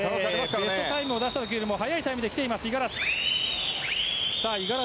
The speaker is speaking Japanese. ベストタイムを出した時より早いタイムできています五十嵐。